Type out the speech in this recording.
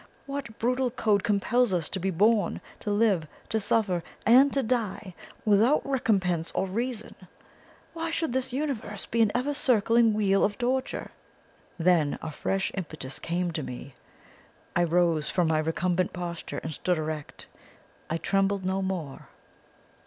What brutal Code compels us to be born, to live, to suffer, and to die without recompense or reason? Why should this Universe be an ever circling Wheel of Torture? Then a fresh impetus came to me. I rose from my recumbent posture and stood erect; I trembled no more.